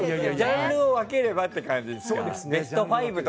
ジャンルを分ければという感じですよね。